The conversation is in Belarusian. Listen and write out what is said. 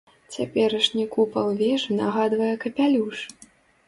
Цяперашні купал вежы нагадвае капялюш!